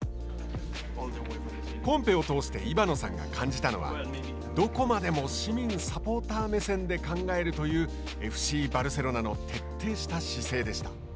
コンペを通して伊庭野さんが感じたのはどこまでも市民・サポーター目線で考えるというＦＣバルセロナの徹底した姿勢でした。